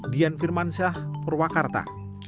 dian firmansyah purwakarta